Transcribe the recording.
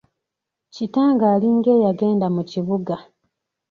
Kitange alinga eyagenda mu kibuga.